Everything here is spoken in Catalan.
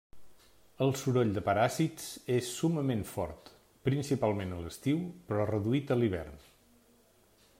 El soroll de paràsits és summament fort, principalment a l'estiu, però reduït a l'hivern.